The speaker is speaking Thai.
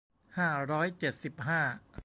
ห้าร้อยเจ็ดสิบห้า